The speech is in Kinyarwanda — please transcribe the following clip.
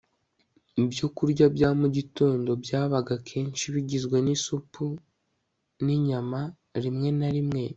ibyokurya bya mugitondo byabaga akenshi bigizwe n'isupu, n'inyama rimwe na rimwe